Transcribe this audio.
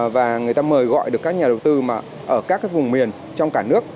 và người ta mời gọi được các nhà đầu tư mà ở các vùng miền trong cả nước